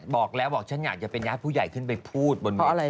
บอกแล้วบอกฉันอยากจะเป็นญาติผู้ใหญ่ขึ้นไปพูดบน